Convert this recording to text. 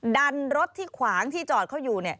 ดันรถที่ขวางที่จอดเขาอยู่